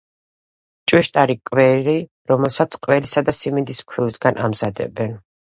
ჭვიშტარი კვერი, რომელსაც ყველისა და სიმინდის ფქვილისგან ამზადებენ.